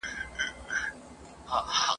لښکر د ابوجهل ته به کلي تنها نه وي !.